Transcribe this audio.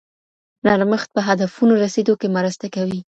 نرمښت په هدفونو رسیدو کې مرسته کوي.